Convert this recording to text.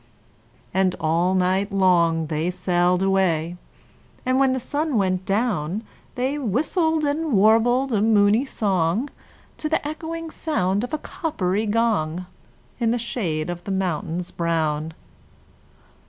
And all night long they sailed away; And when the sun went down, They whistled and warbled a moony song To the echoing sound of a coppery gong, In the shade of the mountains brown.